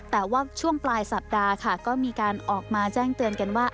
แต่ว่าช่วงปลายสัปดาห์ค่ะก็มีการออกมาแจ้งเตือนกันว่า